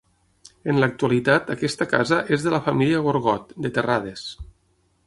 En l'actualitat aquesta casa és de la família Gorgot, de Terrades.